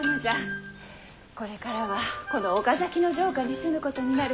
これからはこの岡崎の城下に住むことになる。